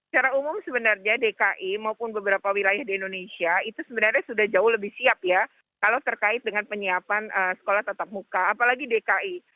secara umum sebenarnya dki maupun beberapa wilayah di indonesia itu sebenarnya sudah jauh lebih siap ya kalau terkait dengan penyiapan sekolah tatap muka apalagi dki